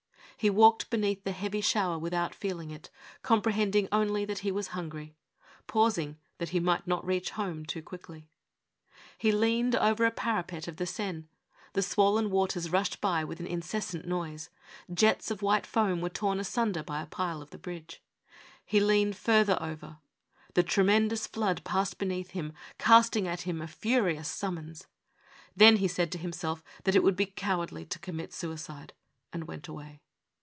He walked beneath the heavy shower without feeling it, comprehending only that he was hun gry'', pausing that he might not reach home too quickly, lie leaned over a parapet of the Seine; the swollen waters rushed by with an incessant noise; jets of white foam were torn asunder by a pile of the bridge. He leaned further over ; the tremendous flood passed beneath him, casting at him a furious summons. Then he said to himself that it would be cowardly to commit suicide and went away.